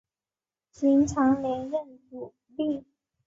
形成连任阻力。